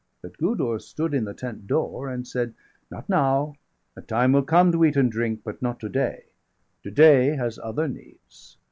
But Gudurz stood in the tent door, and said: "Not now! a time will come to eat and drink, But not to day; to day has other needs.